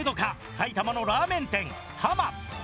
埼玉のラーメン店はま。